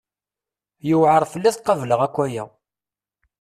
Yuɛer fell-i ad qableɣ akk aya!